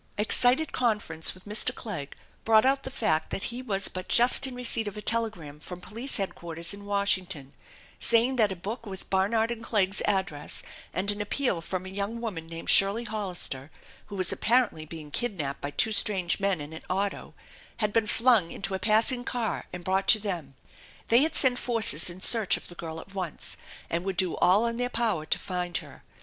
Excited conference with Mr. Clegg brought out the fact that he was but just in receipt of a telegram from Police Headquarters in Washimrton saying that a book with Barnar<? THE ENCHANTED BARN 263 and Clegg's address and an appeal from a young woman named Shirley Hollister who was apparently being kidnapped by two strange men in an auto, had been flung into a passing car and brought to them. They had sent forces in search of the girl at once and would do all in their power to find her.